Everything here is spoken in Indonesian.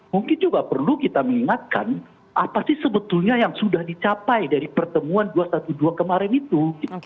mungkin juga perlu kita mengingatkan apa sih sebetulnya yang sudah dicapai dari pertemuan dua ratus dua belas kemarin itu